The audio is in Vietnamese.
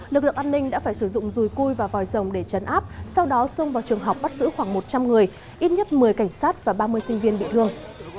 lực lượng an ninh đã phải sử dụng rùi cui và vòi rồng để chấn áp sau đó xông vào trường học bắt giữ khoảng một trăm linh người ít nhất một mươi cảnh sát và ba mươi sinh viên bị thương